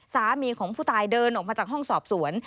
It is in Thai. สามีของผู้ตายเดินออกมาจากห้องสอบสวน